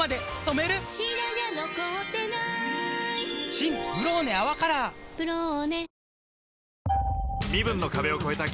新「ブローネ泡カラー」「ブローネ」